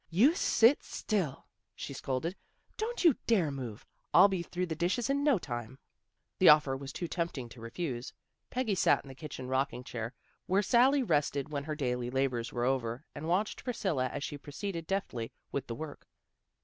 " You sit still," she scolded. " Don't you dare move! I'll be through the dishes in no time." The offer was too tempting to refuse. Peggy sat in the kitchen rocking chair, where Sally rested when her daily labors were over, and watched Priscilla as she proceeded deftly with the work.